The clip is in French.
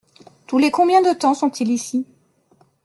Tous les combien de temps sont-ils ici ?